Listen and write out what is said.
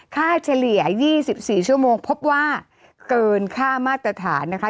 เฉลี่ย๒๔ชั่วโมงพบว่าเกินค่ามาตรฐานนะคะ